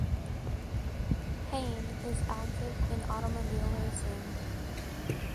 Hane is active in automobile racing.